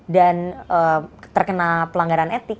dan terkena pelanggaran etik